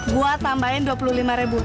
gue tambahin dua puluh lima ribu